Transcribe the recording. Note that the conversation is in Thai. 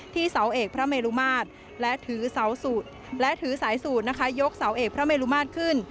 ที่เสาเอกพระเมลุมาตรและถือสายสูตรยกเสาเอกพระเมลุมาตรขึ้น